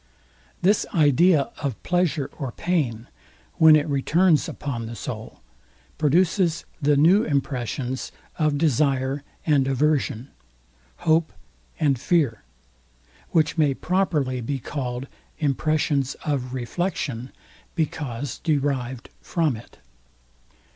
This idea of pleasure or pain, when it returns upon the soul, produces the new impressions of desire and aversion, hope and fear, which may properly be called impressions of reflexion, because derived from it.